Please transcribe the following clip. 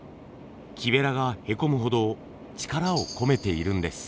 木べらがへこむほど力を込めているんです。